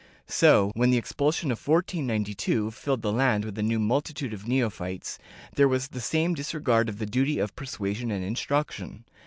So, when the expulsion of 1492, filled the land with a new multitude of neophytes, there was the same disregard of the duty of per suasion and instruction.